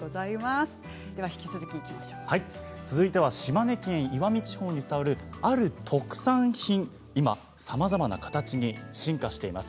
続いては島根県石見地方に伝わる、ある特産品が今、さまざまな形に進化しています。